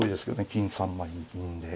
金３枚に銀で。